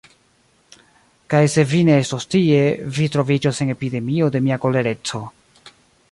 Kaj se vi ne estos tie, vi troviĝos en epidemio de mia kolereco.